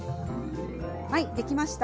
はいできました。